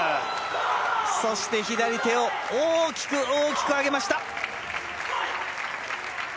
そして、左手を大きく大きく上げました。